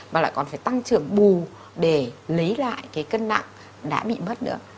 mà lại còn phải tăng trưởng bù để lấy lại cái cân nặng đã bị mất nữa